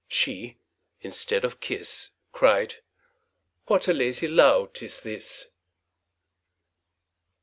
She, instead of kiss, Cried, 'What a lazy lout is this!'